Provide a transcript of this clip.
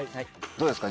どうですか？